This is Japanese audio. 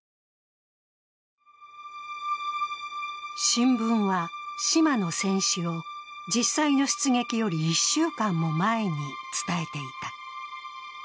新聞は島の戦死を実際の出撃より１週間も前に伝えていた。